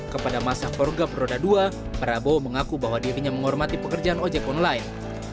kepada masa pergab roda dua prabowo mengaku bahwa dirinya menghormati pekerjaan ojek online